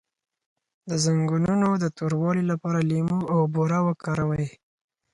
د زنګونونو د توروالي لپاره لیمو او بوره وکاروئ